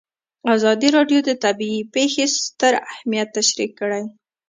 ازادي راډیو د طبیعي پېښې ستر اهميت تشریح کړی.